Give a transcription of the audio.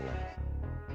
tidak ada yang kaget